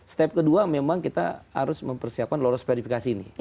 step kedua memang kita harus mempersiapkan lolos verifikasi ini